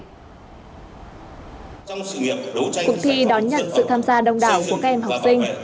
cuộc thi đón nhận sự tham gia đông đảo của các em học sinh